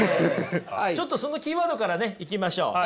ちょっとそのキーワードからねいきましょう。